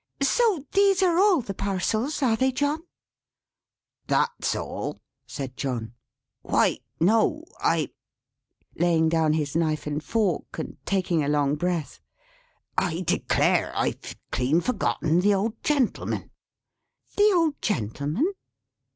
"So these are all the parcels; are they, John?" "That's all," said John. "Why no I " laying down his knife and fork, and taking a long breath. "I declare I've clean forgotten the old gentleman!" "The old gentleman?"